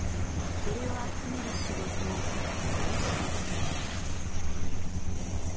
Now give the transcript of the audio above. それを集める仕事を漆かきといいます。